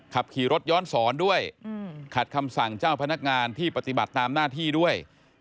ขับขี่รถย้อนสอนด้วยขัดคำสั่งเจ้าพนักงานที่ปฏิบัติตามหน้าที่ด้วย